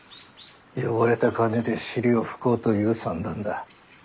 汚れた金で尻を拭こうという算段だ。